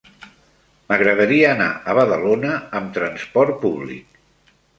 M'agradaria anar a Badalona amb trasport públic.